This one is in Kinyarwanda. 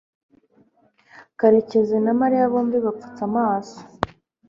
karekezi na mariya bombi bapfutse amaso